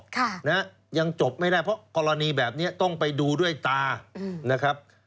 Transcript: ค่ะนะยังจบไม่ได้เพราะกรณีแบบนี้ต้องไปดูด้วยตาอืมนะครับ